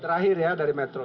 terakhir ya dari metro